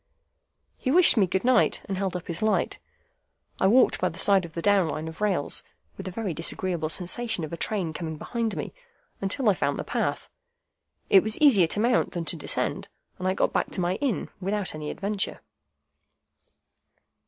He wished me good night, and held up his light. I walked by the side of the down Line of rails (with a very disagreeable sensation of a train coming behind me) until I found the path. It was easier to mount than to descend, and I got back to my inn without any adventure.